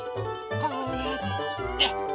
こうやって。